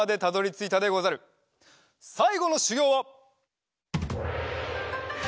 さいごのしゅぎょうは！